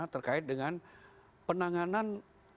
terkait dengan penanganan